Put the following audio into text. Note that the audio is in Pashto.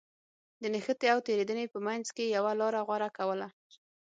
د نښتې او تېرېدنې په منځ کې يوه لاره غوره کوله.